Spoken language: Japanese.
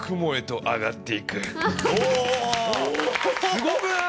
すごくない！？